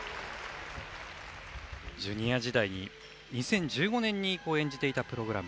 ジュニア時代２０１５年に演じていたプログラム。